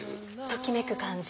ときめく感じ。